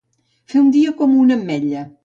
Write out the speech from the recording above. Fer un dia com una ametlla.